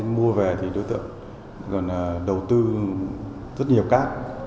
mua về thì đối tượng gần đầu tư rất nhiều cắt